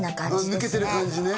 抜けてる感じね